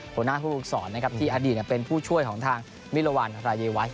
หัวหน้าผู้ฝึกศรนะครับที่อดีตเป็นผู้ช่วยของทางมิรวรรณรายวัช